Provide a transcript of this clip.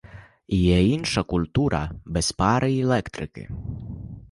І є інша культура, без пари й електрики.